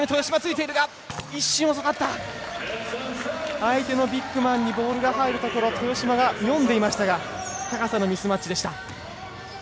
相手のビッグマンにボールが入るところ豊島読んでいましたが高さのミスマッチでした。